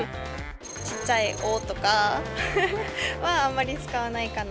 ちっちゃい「ぉ」とかはあんまり使わないかな。